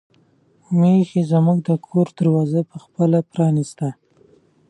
میښې زموږ د کور دروازه په خپله پرانیسته.